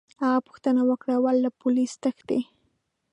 هغه پوښتنه وکړه: ولي، له پولیسو تښتې؟